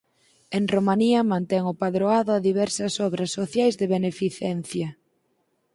En Romanía mantén o padroado a diversas obras sociais de beneficencia.